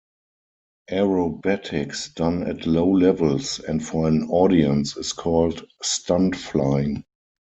Aerobatics done at low levels and for an audience is called "stunt flying".